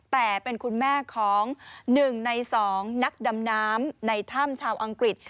แต่เป็นคุณแม่ของ๑ใน๒นักดำน้ำในถ้ำชาวอังกฤษ